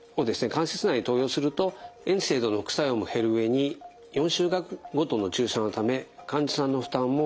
関節内に投与するとＮＳＡＩＤｓの副作用も減る上に４週間ごとの注射のため患者さんの負担も少なくてすみます。